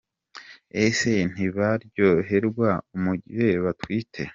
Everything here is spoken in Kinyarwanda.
Ese ntibaryoherwa mu gihe batwite ?.